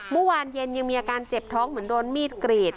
เมื่อวานเย็นยังมีอาการเจ็บท้องเหมือนโดนมีดกรีด